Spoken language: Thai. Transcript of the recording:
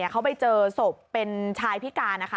เขาไปเจอศพเป็นชายพิการนะคะ